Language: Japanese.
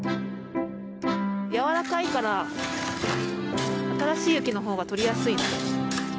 やわらかいから新しい雪のほうがとりやすい。